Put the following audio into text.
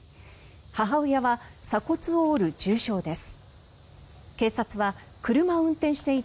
母親は鎖骨を折る重傷です。